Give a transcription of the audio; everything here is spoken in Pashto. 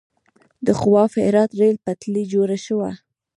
د خواف هرات ریل پټلۍ جوړه شوه.